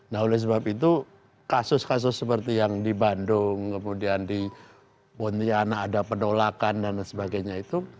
nah oleh sebab itu kasus kasus seperti yang di bandung kemudian di pontianak ada penolakan dan sebagainya itu